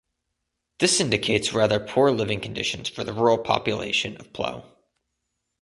This indicates rather poor living conditions for the rural population of Plaue.